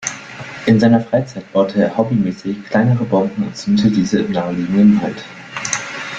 In seiner Freizeit baute er hobbymäßig kleinere Bomben und zündete diese im naheliegenden Wald.